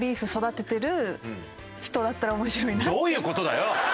どういう事だよ！